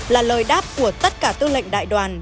là lời đáp của tất cả tư lệnh đại đoàn